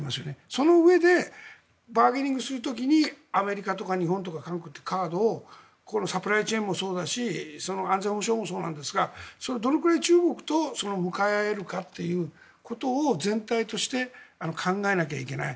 そのうえでバーゲニングする時にアメリカとか日本とか韓国というカードをこのサプライチェーンもそうだし安全保障もそうなんですがどれくらい中国と向かえるかということを全体として考えなきゃいけない。